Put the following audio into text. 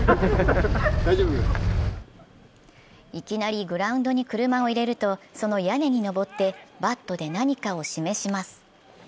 いきなりグラウンドに車を入れると、その屋根に登ってバットで何かを示します。